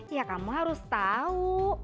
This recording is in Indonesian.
ya kamu harus tau